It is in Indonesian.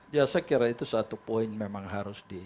ya saya kira itu satu poin memang harus di